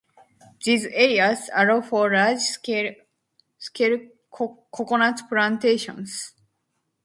These areas allow for large scale coconut plantations.